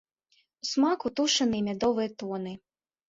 У смаку тушаныя і мядовыя тоны.